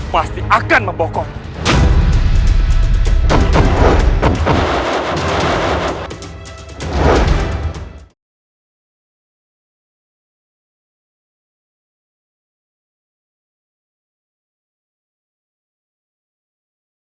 pasti akan membokongmu